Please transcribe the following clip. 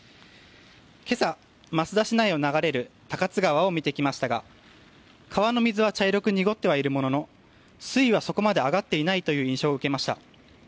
今朝、益田市内を流れる高津川を見てきましたが川の水は茶色く濁ってはいるものの水位はそこまで上がっていないという印象を受けました。